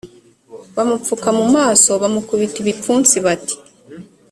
bamupfuka mu maso bamukubita ibipfunsi bati